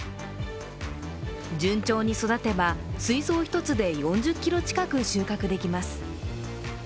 順調に育てば水槽１つで４０ｋｇ近く収穫できます。